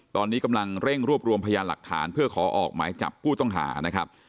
ตอนนี้กำลังเร่งรวบรวมพยานหลักฐานเพื่อขอออกหมายจับผู้ต้องหานะครับ